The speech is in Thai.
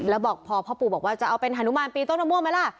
แล้วพ่อปู่บอกว่าจะเอาเป็นหนนุมัรปีโต๊งตำม่วงไหมล่ะ